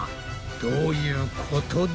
どういうことだ？